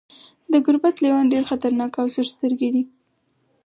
د ګوربت لیوان ډیر خطرناک او سورسترګي دي.